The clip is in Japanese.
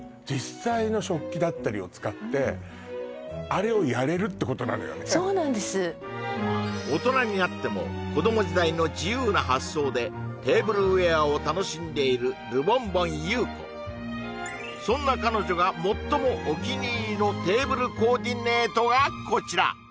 そう考えるとってなるけどほんとにあれをそうなんです大人になっても子供時代の自由な発想でテーブルウェアを楽しんでいるルボンボン優子そんな彼女が最もお気に入りのテーブルコーディネートがこちら